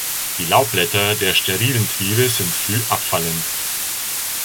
Die Laubblätter der sterilen Triebe sind früh abfallend.